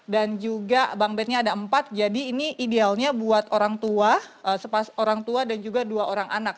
dan juga bank bednya ada empat jadi ini idealnya buat orang tua dan juga dua orang anak